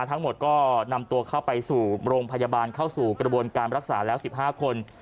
ทั้งหมดก็นำตัวเข้าไปสู่โรงพยาบาลเข้าสู่กระบวนการรักษาแล้ว๑๕คน